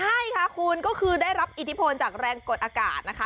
ใช่ค่ะคุณก็คือได้รับอิทธิพลจากแรงกดอากาศนะคะ